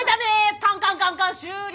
カンカンカンカン終了！